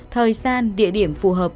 thời gian địa điểm phù hợp